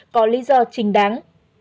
có lý do trình đáng